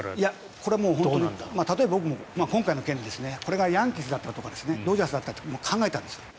これは例えば僕も今回の件でこれがヤンキースだったらとかドジャースだったらとか考えたんですよ。